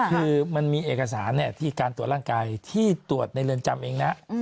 คือมันมีเอกสารที่การตรวจร่างกายที่ตรวจในเรือนจำเองนะ